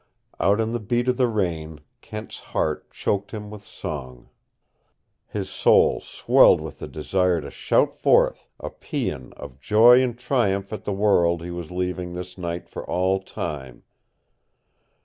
Out in the beat of the rain Kent's heart choked him with song. His soul swelled with the desire to shout forth a paean of joy and triumph at the world he was leaving this night for all time.